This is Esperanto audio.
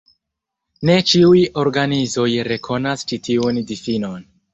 Ne ĉiuj organizoj rekonas ĉi tiun difinon.